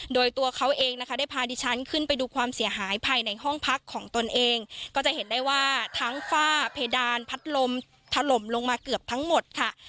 โดยตัวเขาเองนะคะได้พาดิฉันขึ้นไปดูความเสียหายภายในห้องพักของตนเองก็จะเห็นได้ว่าทั้งฝ้าเพดานพัดลมถล่มลงมาเกือบทั้งหมดค่ะ